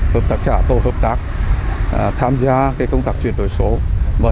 hợp tác xã tổ hợp tác tham gia công tác chuyển đổi số